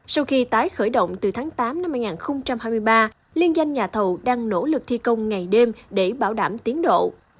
sau khi tái khởi động từ tháng tám năm hai nghìn hai mươi ba liên danh nhà thầu đang nỗ lực thi công ngày đêm để bảo đảm tiến độ